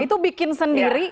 itu bikin sendiri